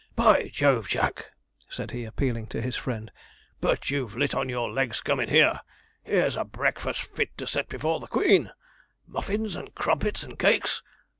By Jove, Jack!' said he, appealing to his friend, 'but you've lit on your legs coming here. Here's a breakfast fit to set before the Queen muffins, and crumpets, and cakes.